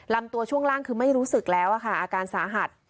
ลำตัวช่วงล่างคือไม่รู้สึกแล้วค่ะอาการสาหัส